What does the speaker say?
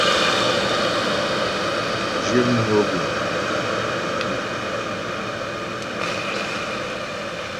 Zhyə mnwə guŋ.